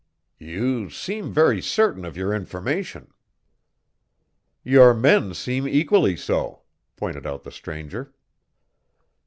"You seem very certain of your information." "Your men seem equally so," pointed out the stranger.